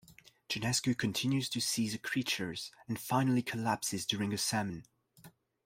Jonascu continues to see the creatures, and finally collapses during a sermon.